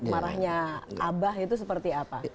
marahnya abah itu seperti apa